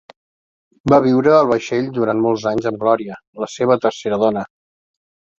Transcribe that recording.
Va viure al vaixell durant molts anys amb Gloria, la seva tercera dona.